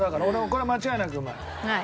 これは間違いなくうまい。